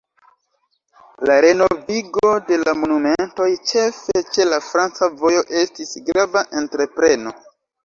La renovigo de la monumentoj, ĉefe ĉe la franca vojo, estis grava entrepreno.